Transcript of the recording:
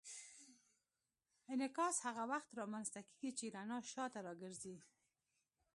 انعکاس هغه وخت رامنځته کېږي چې رڼا شاته راګرځي.